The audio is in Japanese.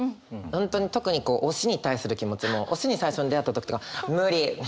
本当に特にこう推しに対する気持ちも推しに最初に出会った時とか無理！